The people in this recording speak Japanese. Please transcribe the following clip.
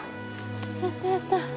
やったやった。